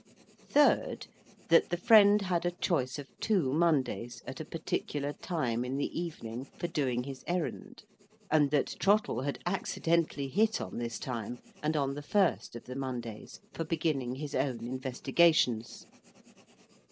Third, that the friend had a choice of two Mondays, at a particular time in the evening, for doing his errand; and that Trottle had accidentally hit on this time, and on the first of the Mondays, for beginning his own investigations.